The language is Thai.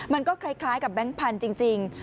มันก็คล้ายกับแบงค์พันธุ์จริง